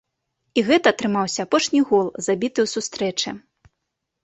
І гэта атрымаўся апошні гол, забіты ў сустрэчы.